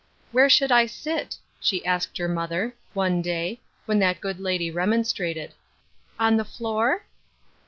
'• Where should I sit ?" she asked her mother, Side Issues. 26 one day, when that good lady remonstrated. "On the floor?"